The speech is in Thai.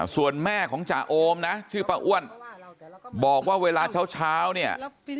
ส่วนแม่ของจ่าโอมนะชื่อป้าอ้วนบอกว่าเวลาเช้าเนี่ย